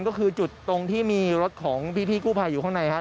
ก็คือจุดตรงที่มีรถของพี่กู้ภัยอยู่ข้างในครับ